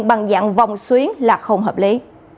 bằng dạng vòng xuyến là không hợp lý